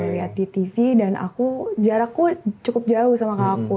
lihat di tv dan jarakku cukup jauh sama kakakku